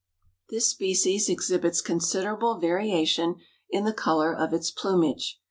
This species exhibits considerable variation in the color of its plumage.